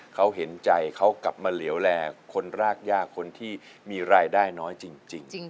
เขาเห็นใจเขากลับมาเหลวแลคนรากยากคนที่มีรายได้น้อยจริง